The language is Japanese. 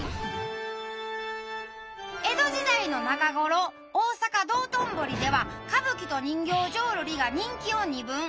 江戸時代の中頃大坂道頓堀では歌舞伎と人形浄瑠璃が人気を二分。